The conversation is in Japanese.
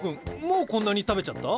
もうこんなに食べちゃった？